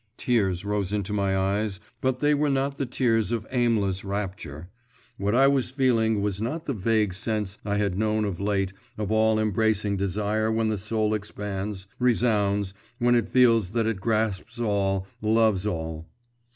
Tears rose into my eyes, but they were not the tears of aimless rapture.… What I was feeling was not the vague sense I had known of late of all embracing desire when the soul expands, resounds, when it feels that it grasps all, loves all.